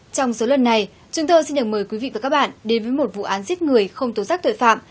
trong số lần này chúng tôi xin được mời quý vị và các bạn đến với một vụ án giết người không tố giác tội phạm